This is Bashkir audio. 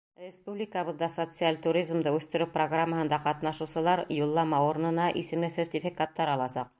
Республикабыҙҙа социаль туризмды үҫтереү программаһында ҡатнашыусылар юллама урынына исемле сертификаттар аласаҡ.